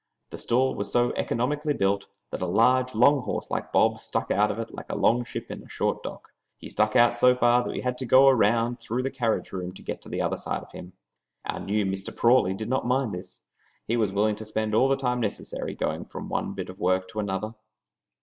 The stall was so economically built that a large, long horse like Bob stuck out of it like a long ship in a short dock; he stuck out so far that we had to go around through the carriage room to get on the other side of him. Our new Mr. Prawley did not mind this. He was willing to spend all the time necessary going from one bit of work to another.